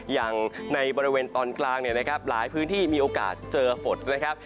อย่างในบริเวณตอนกลางหลายพื้นที่มีโอกาสเจอฝนนะครับ